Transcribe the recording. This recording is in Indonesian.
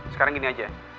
sekarang gini aja